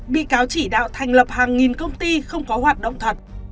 bị cáo chỉ đạo thành lập hàng nghìn công ty không có hoạt động thật